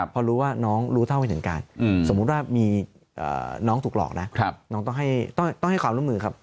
พอรู้ว่าน้องรู้เท่าไม่ถึงการสมมุติว่ามีน้องถูกหลอกนะน้องต้องให้ความร่วมมือครับ